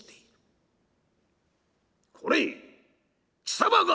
「これ貴様か！